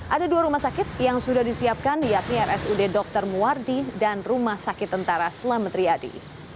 ada dua rumah sakit yang sudah disiapkan yakni rsud dr muwardi dan rumah sakit tentara selamat riyadi